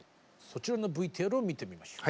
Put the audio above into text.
そちらのＶＴＲを見てみましょう。